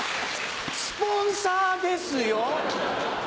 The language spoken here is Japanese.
スポンサーですよ。